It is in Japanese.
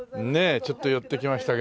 ちょっと寄ってきましたけども。